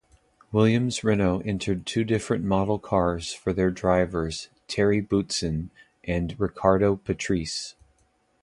Williams-Renault entered two different model cars for their drivers Thierry Boutsen and Riccardo Patrese.